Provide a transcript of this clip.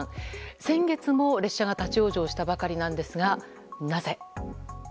先月も列車が立ち往生したばかりなんですがなぜ？